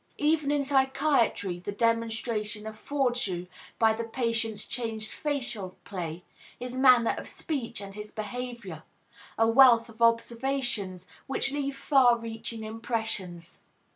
Even in psychiatry, the demonstration affords you, by the patient's changed facial play, his manner of speech and his behavior, a wealth of observations which leave far reaching impressions.